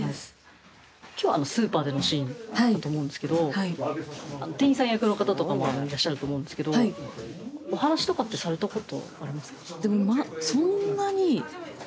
今日はスーパーでのシーンだと思うんですけど店員さん役の方とかもいらっしゃると思うんですけどお話とかってされた事ありますか？